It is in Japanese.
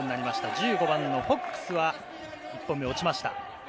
１５番のフォックスは１本目、落ちました。